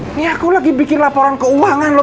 ini aku lagi bikin laporan keuangan loh